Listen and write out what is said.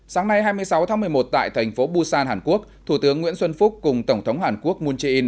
sáng nay hai mươi sáu tháng một mươi một tại thành phố busan hàn quốc thủ tướng nguyễn xuân phúc cùng tổng thống hàn quốc moon jae in